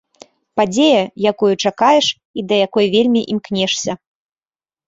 Падзея, якую чакаеш, і да якой вельмі імкнешся.